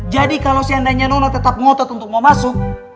jadi kalau seandainya nona tetap ngotot untuk mau masuk